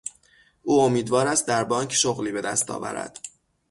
او امیدوار است در بانک شغلی به دست آورد.